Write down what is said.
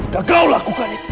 sebelum ada yan